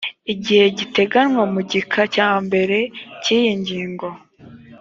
gihe giteganywa mu gika cya mbere cy iyi nging